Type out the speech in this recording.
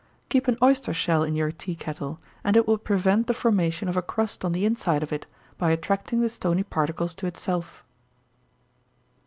_ Keep an oyster shell in your tea kettle, and it will prevent the formation of a crust on the inside of it, by attracting the stony particles to itself.